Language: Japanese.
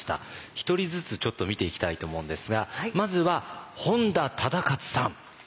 １人ずつちょっと見ていきたいと思うんですがまずは本多忠勝さん。